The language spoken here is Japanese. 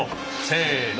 せの！